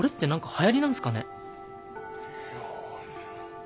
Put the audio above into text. いや。